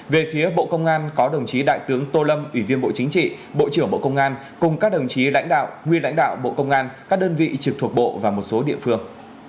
về phía bộ công an có đồng chí đại tướng tô lâm ủy viên bộ chính trị bộ trưởng bộ công an cùng các đồng chí lãnh đạo nguyên lãnh đạo bộ công an các đơn vị trực thuộc bộ và một số địa phương